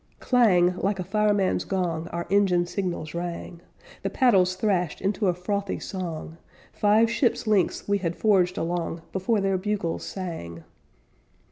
"Clang!" like a fireman's gong Our engine signals rang; The paddles thrashed into a frothy song; Five ship's lengths we had forged along Before their bugles sang.